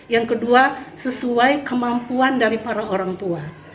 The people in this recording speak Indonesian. yang kedua sesuai kemampuan dari para orang tua